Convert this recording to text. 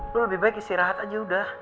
lo lebih baik istirahat aja udah